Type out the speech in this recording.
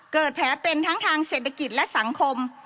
เกิดแผลเป็นทั้งทางเศรษฐกิจและสังคม